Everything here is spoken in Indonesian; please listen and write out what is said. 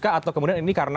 atau kemudian ini karena